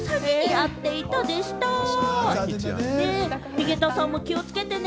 井桁さんも気をつけてね。